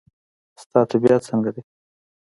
ستا طبیعت څنګه دی؟